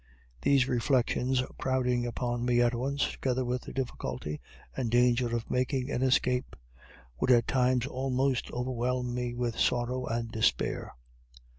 These reflections crowding upon me at once, together with the difficulty and danger of making an escape, would at times almost overwhelm me with sorrow and despair.